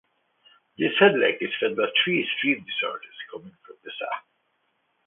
This head lake is fed by three stream discharges (coming from the south).